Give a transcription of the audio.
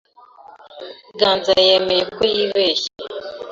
Ganza yemeye ko yibeshye.